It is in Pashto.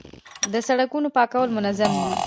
د سړکونو پاکول منظم دي؟